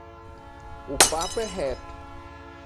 O papo é reto.